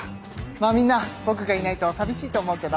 まぁみんな僕がいないと寂しいと思うけど。